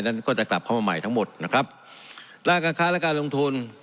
นั้นก็จะกลับเข้ามาใหม่ทั้งหมดนะครับด้านการค้าและการลงทุน